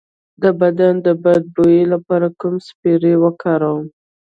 د بدن د بد بوی لپاره کوم سپری وکاروم؟